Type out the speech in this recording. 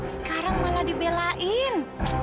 sekarang malah dibelain